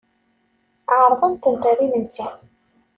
Ɛerḍen-tent ɣer imensi.